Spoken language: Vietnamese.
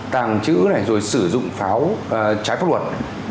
tàng trữ này rồi sử dụng pháo trái pháp luật